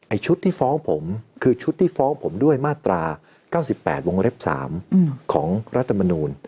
ชุดที่ฟ้องผมคือชุดที่ฟ้องผมด้วยมาตรา๙๘วงเล็บ๓ของรัฐมนูล